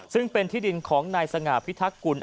ซึ่งเป็นที่ดินของนายสง่าพิทักกุล